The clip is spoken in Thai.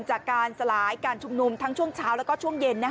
จากการสลายการชุมนุมทั้งช่วงเช้าแล้วก็ช่วงเย็น